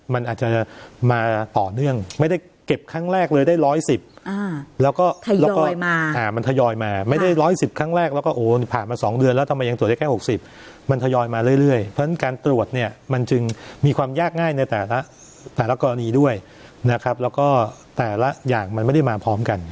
มันอาจจะมาต่อเนื่องไม่ได้เก็บครั้งแรกเลยได้๑๑๐แล้วก็มันทยอยมาไม่ได้๑๑๐ครั้งแรกแล้วก็โอ้ผ่านมา๒เดือนแล้วทำไมยังตรวจได้แค่๖๐มันทยอยมาเรื่อยเพราะฉะนั้นการตรวจเนี่ยมันจึงมีความยากง่ายในแต่ละกรณีด้วยนะครับแล้วก็แต่ละอย่างมันไม่ได้มาพร้อมกัน